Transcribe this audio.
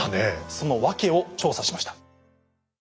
その訳を調査しました。